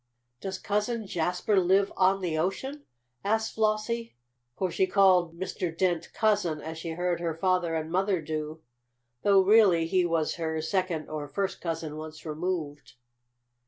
"Does Cousin Jasper live on the ocean?" asked Flossie, for she called Mr. Dent "cousin" as she heard her father and mother do, though, really, he was her second, or first cousin once removed.